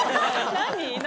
何？